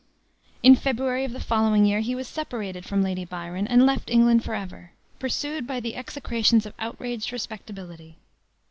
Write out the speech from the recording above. In February of the following year he was separated from Lady Byron, and left England forever, pursued by the execrations of outraged respectability.